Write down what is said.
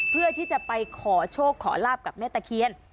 เพื่อที่จะไปขอโชคขอลาบกับแม่ตะเคียน